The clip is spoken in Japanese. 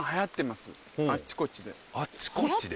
あっちこっちで。